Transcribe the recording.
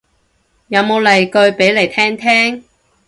有冇例句俾嚟聽聽